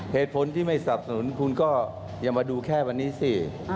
เหตุผลที่ไม่สับสนุนคุณก็อย่ามาดูแค่วันนี้สิ